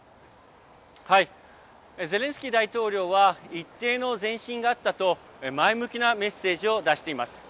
ゼレンスキー大統領は一定の前進があったと前向きなメッセージを出しています。